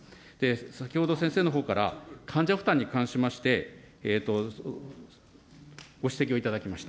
先ほど先生のほうから、患者負担に関しまして、ご指摘を頂きました。